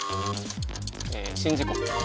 え宍道湖。